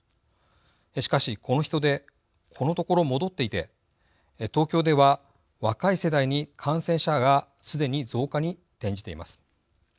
しかし、この人出このところ戻っていて東京では、若い世代に感染者がすでに増加に転じています。